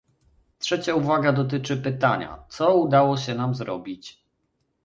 Trzecia uwaga dotyczy pytania, co udało się nam zrobić